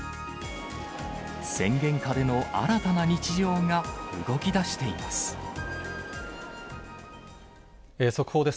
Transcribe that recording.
宣言下での新たな日常が動き速報です。